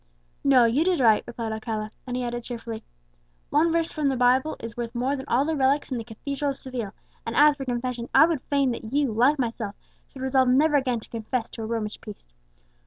"No; you did right," replied Alcala. And he added cheerfully, "One verse from the Bible is worth more than all the relics in the Cathedral of Seville; and as for confession, I would fain that you, like myself, should resolve never again to confess to a Romish priest."